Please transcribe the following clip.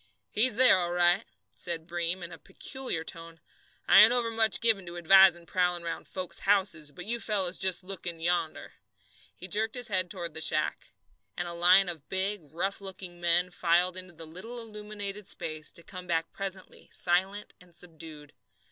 "He's there, all right," said Breem, in a peculiar tone. "I ain't overmuch given to advising prowling round folks' houses, but you fellows just look in yonder." He jerked his head toward the shack. And a line of big, rough looking men filed into the little illumined space, to come back presently silent and subdued.